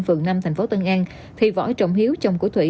phường năm thành phố tân an thì võ trọng hiếu chồng của thủy